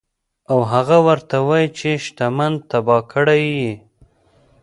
او هغه ورته وائي چې دشمن تباه کړے ئې